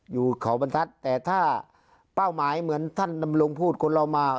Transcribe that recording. อยู่เขาบรรทัศน์แต่ถ้าเป้าหมายเหมือนท่านดำรงพูดคนเรามา